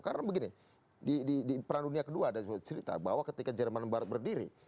karena begini di peran dunia kedua ada cerita bahwa ketika jerman barat berdiri